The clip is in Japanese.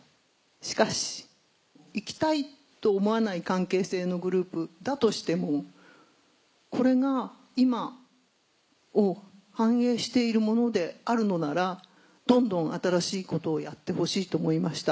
しかし行きたいと思わない関係性のグループだとしてもこれが今を反映しているものであるのならどんどん新しいことをやってほしいと思いました。